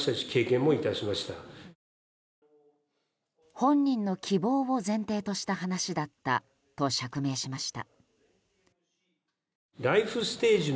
本人の希望を前提とした話だったと釈明しました。